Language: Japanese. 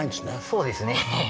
そうですね。